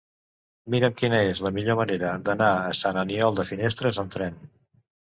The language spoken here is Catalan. Mira'm quina és la millor manera d'anar a Sant Aniol de Finestres amb tren.